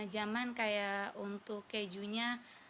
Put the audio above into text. jaman kayak untuk kejunya